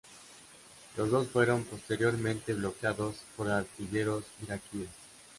Los dos fueron posteriormente bloqueados por artilleros iraquíes.